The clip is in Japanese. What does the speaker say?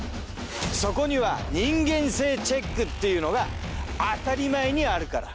そこには人間性チェックっていうのが当たり前にあるから。